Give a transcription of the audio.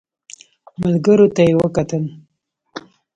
ملګرو ته يې وکتل.